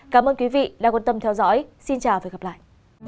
cảm ơn quý vị đã quan tâm theo dõi xin chào và hẹn gặp lại